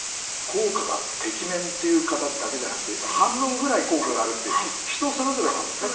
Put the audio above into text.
効果がてきめんという方だけじゃなくて半分ぐらい効果があるっていう人それぞれなんですね